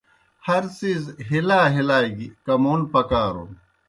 ہر څِیز ہِلا ہِلا گیْ کمون پکارُن۔